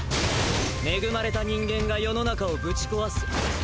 恵まれた人間が世の中をブチ壊す。